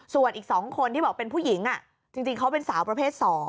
ส่วนอีก๒คนที่บอกเป็นผู้หญิงจริงเขาเป็นสาวประเภท๒